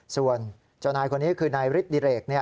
ส่วนเจ้านายคนนี้คือนายฤทธิเรก